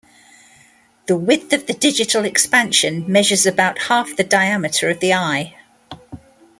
The width of the digital expansion measures about half the diameter of the eye.